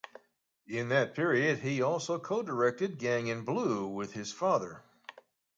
In that period he also co-directed "Gang in Blue" with his father.